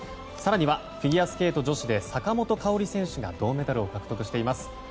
更にはフィギュアスケート女子で坂本花織選手が銅メダルを獲得しています。